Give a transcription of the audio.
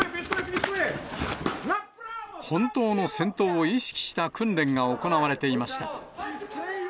本当の戦闘を意識した訓練が行われていました。